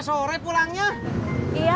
lo anjir apa